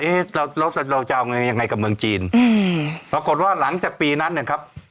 เราแล้วเราจะเอาเงินยังไงกับเมืองจีนอืมปรากฏว่าหลังจากปีนั้นนะครับ